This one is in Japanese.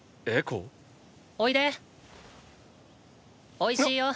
⁉おいしいよ。